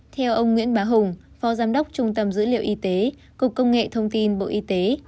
phó giám đốc trung tâm dữ liệu y tế cục công nghệ thông tin bộ y tế